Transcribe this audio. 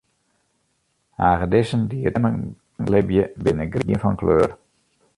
Hagedissen dy't yn beammen libje, binne grien fan kleur.